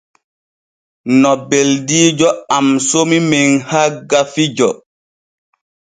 No beldiijo am somi men hagga fijo.